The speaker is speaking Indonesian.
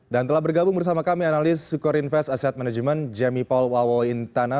dan telah bergabung bersama kami analis sukor invest asset management jemmy paul wawointana